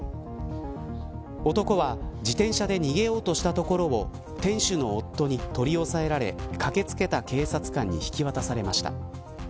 男は自転車で逃げようとしたところを店主の夫に取り押さえられ駆け付けた警察官に引き渡されました。